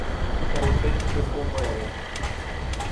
— Русинські кумири.